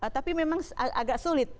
tapi memang agak sulit